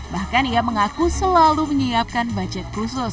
bahkan ia mengaku selalu menyiapkan budget khusus